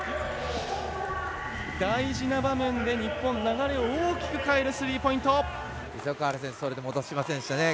大事な場面で日本、流れを大きく変えるスリーポイント。